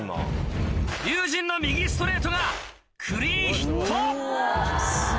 龍心の右ストレートがクリーンヒット。